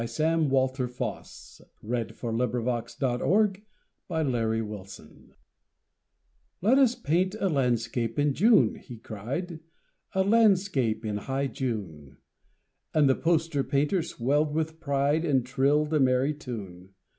Sam Walter Foss The Poster Painter's Masterpiece "LET us paint a landscape in June," he cried; "A Landscape in high June." And the poster painter swelled with pride And trilled a merry tune.